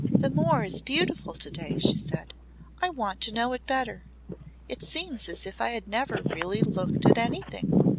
"The moor is beautiful to day," she said. "I want to know it better. It seems as if I had never really looked at anything."